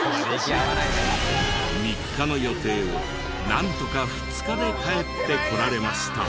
３日の予定をなんとか２日で帰ってこられました。